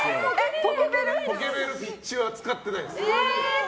ポケベル、ピッチは使ってないです。